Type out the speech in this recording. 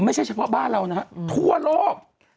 ไม่ใช่เฉพาะบ้านเรานะทั่วโลก